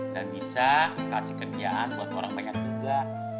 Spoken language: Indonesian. dan bisa kasih kerjaan buat orang banyak juga